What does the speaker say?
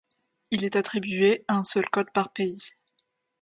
Il est attribué un seul code par pays.